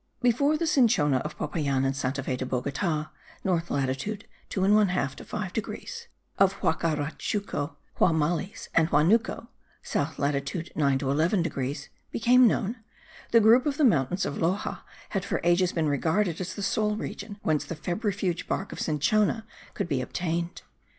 Before the cinchona of Popayan and Santa Fe de Bogota (north latitude 2 1/2 to 5 degrees), of Huacarachuco, Huamalies and Huanuco (south latitude 9 to 11 degrees) became known, the group of the mountains of Loxa had for ages been regarded as the sole region whence the febrifuge bark of cinchona could be obtained.